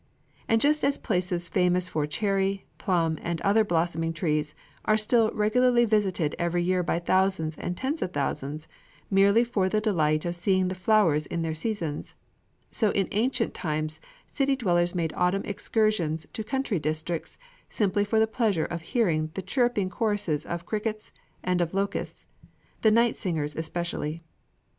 And just as places famous for cherry, plum, or other blossoming trees, are still regularly visited every year by thousands and tens of thousands, merely for the delight of seeing the flowers in their seasons, so in ancient times city dwellers made autumn excursions to country districts simply for the pleasure of hearing the chirruping choruses of crickets and of locusts, the night singers especially.